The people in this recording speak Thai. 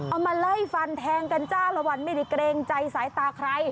เอามาไล่ฟันแทงกันจ้าละวันไม่ได้เกรงใจสายตาใคร